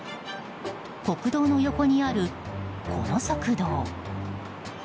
国道の横にある、この側道。